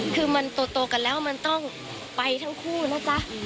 คือมันโตกันแล้วมันต้องไปทั้งคู่นะจ๊ะ